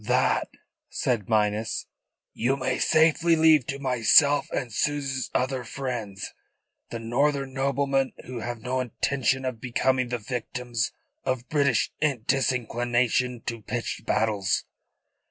"That," said Minas, "you may safely leave to myself and Souza's other friends, the northern noblemen who have no intention of becoming the victims of British disinclination to pitched battles."